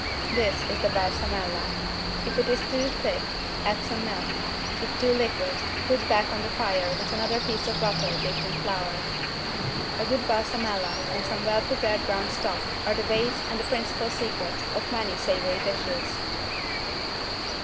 This is the =Balsamella=. If it is too thick add some milk, if too liquid put back on the fire with another piece of butter dipped in flour. A good =Balsamella= and some well prepared brown stock are the base and the principal secret of many savory dishes.